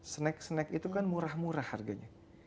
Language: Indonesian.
snack snack itu kan murah murah harganya